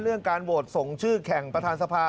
เรื่องการโหวตส่งชื่อแข่งประธานสภา